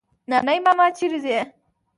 نانی ماما چيري ځې؟